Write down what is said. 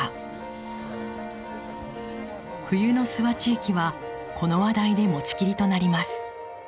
冬の諏訪地域はこの話題で持ちきりとなります。